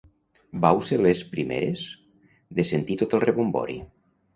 Vau ser les primeres de sentir tot el rebombori.